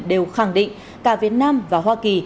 đều khẳng định cả việt nam và hoa kỳ